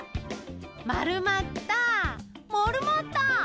まるまったモルモット！